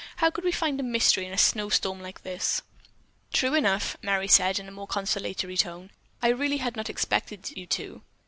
"How could we find a mystery in a snow storm like this?" "True enough!" Merry said in a more conciliatory tone. "I really had not expected you to."